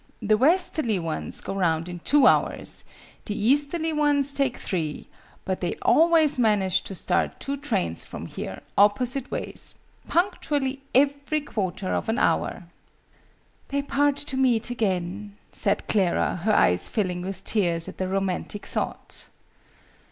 The westerly ones go round in two hours; the easterly ones take three; but they always manage to start two trains from here, opposite ways, punctually every quarter of an hour." "They part to meet again," said Clara, her eyes filling with tears at the romantic thought.